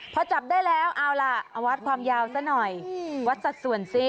พอจับได้แล้วเอาล่ะเอาวัดความยาวซะหน่อยวัดสัดส่วนสิ